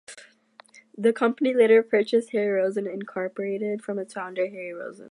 The company later purchased Harry Rosen Incorporated from its founder, Harry Rosen.